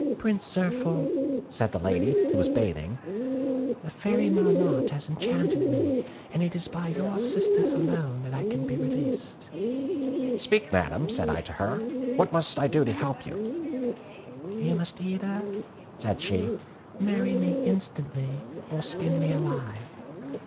'Prince Zirphil,' said the lady, who was bathing, 'the Fairy Marmotte has enchanted me, and it is by your assistance alone that I can be released.' 'Speak, Madam,' said I to her: 'what must I do to help you?' 'You must either,' said she, 'marry me instantly or skin me alive.'